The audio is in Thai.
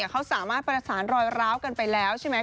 เขาสามารถประสานรอยร้าวกันไปแล้วใช่ไหม